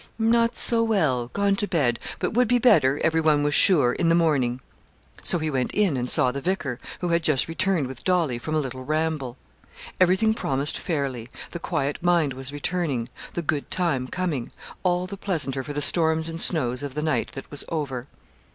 'Not so well gone to bed but would be better, everyone was sure, in the morning.' So he went in and saw the vicar, who had just returned with Dolly from a little ramble. Everything promised fairly the quiet mind was returning the good time coming all the pleasanter for the storms and snows of the night that was over.